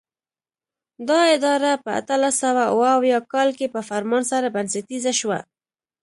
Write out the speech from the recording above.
دا اداره په اتلس سوه اوه اویا کال کې په فرمان سره بنسټیزه شوه.